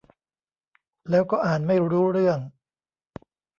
แล้วก็อ่านไม่รู้เรื่อง